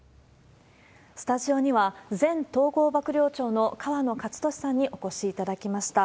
スタジオには、前統合幕僚長の河野克俊さんにお越しいただきました。